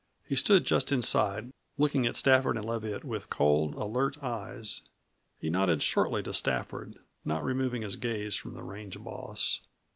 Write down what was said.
He stood just inside, looking at Stafford and Leviatt with cold, alert eyes. He nodded shortly to Stafford, not removing his gaze from the range boss.